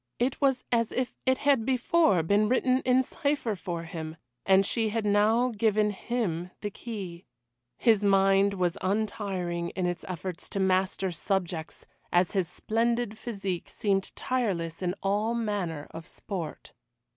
It was as if it had before been written in cypher for him, and she had now given him the key. His mind was untiring in its efforts to master subjects, as his splendid physique seemed tireless in all manner of sport.